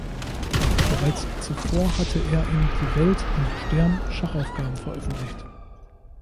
Bereits zuvor hatte er in "Die Welt" und "stern" Schachaufgaben veröffentlicht.